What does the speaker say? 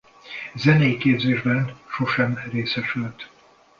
Zenei képzésben sosem részesült.